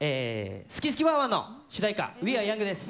すきすきワンワン！の主題歌、ウィ・アー・ヤングです。